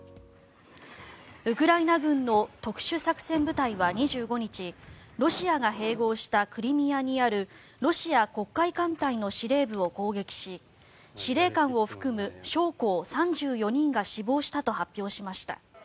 ウクライナ軍の特殊作戦部隊は２５日ロシアが併合したクリミアにあるロシア黒海艦隊の司令部を攻撃し司令官を含む将校３４人が死亡したと発表しました。